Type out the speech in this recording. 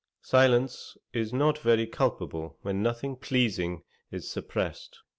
Silence is not very culpable when nothing pleasing is suppressed.